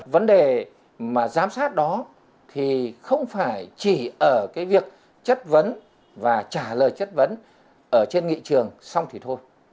vấn đề mà giám sát đó thì không phải chỉ ở cái việc chất vấn và trả lời chất vấn ở trên nghị trường xong thì thôi